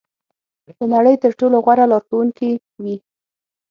د نړۍ تر ټولو غوره لارښوونکې وي.